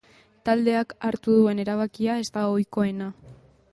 Taldeak hartu duen erabakia ez da ohikoena.